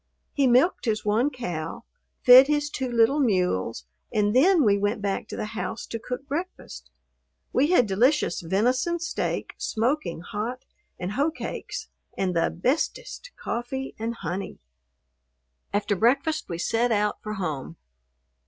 He milked his one cow, fed his two little mules, and then we went back to the house to cook breakfast. We had delicious venison steak, smoking hot, and hoe cakes and the "bestest" coffee, and honey. After breakfast we set out for home.